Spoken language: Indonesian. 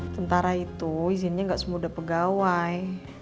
tentara itu izinnya nggak semudah pegawai